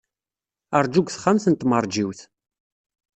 Ṛju deg texxamt n tmeṛjiwt.